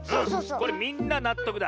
これみんななっとくだ。